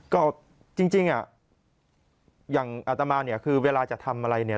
ก็จริงอ่ะอย่างอัตมาเนี่ยคือเวลาจะทำอะไรเนี่ย